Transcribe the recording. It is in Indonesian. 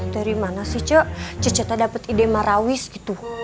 dari mana sih ce cece tak dapet ide marawis gitu